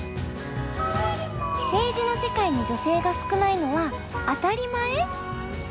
政治の世界に女性が少ないのは当たり前？